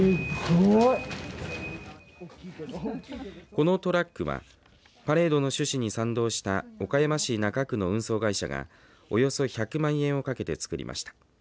このトラックはパレードの趣旨に賛同した岡山市中区の運送会社がおよそ１００万円をかけて作りました。